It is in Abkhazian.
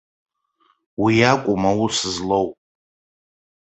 Уиакәым аус злоу.